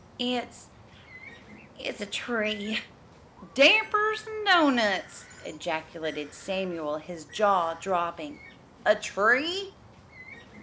"It's it's a tree." "Dampers and doughnuts!" ejaculated Samuel, his jaw dropping. "A tree!"